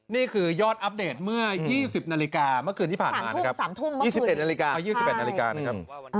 นี่คือยอดอัปเดตเมื่อยี่สิบนาฬิกาเมื่อคืนที่ผ่านมานะครับสามทุ่มสามทุ่มเมื่อคืนยี่สิบเอ็ดนาฬิกายี่สิบแปดนาฬิกานะครับเออ